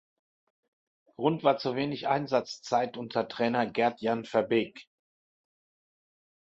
Grund war zu wenig Einsatzzeit unter Trainer Gertjan Verbeek.